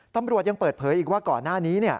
ตำรวจยังเปิดเผยอีกว่าก่อนหน้านี้